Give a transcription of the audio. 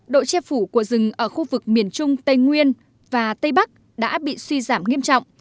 độ che phủ của rừng ở khu vực miền trung tây nguyên và tây bắc đã bị suy giảm nghiêm trọng